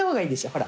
ほら。